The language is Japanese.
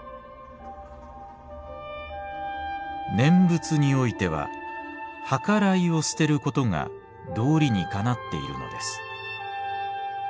「『念仏においてははからいを捨てることが道理にかなっているのです。